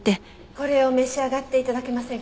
これを召し上がって頂けませんか？